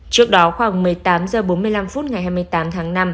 trước đó khoảng một mươi tám h bốn mươi năm phút ngày hai mươi tám tháng năm